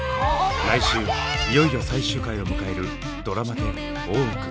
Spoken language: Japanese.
来週いよいよ最終回を迎えるドラマ１０「大奥」。